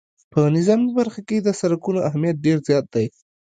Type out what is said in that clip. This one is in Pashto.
په نظامي برخه کې د سرکونو اهمیت ډېر زیات دی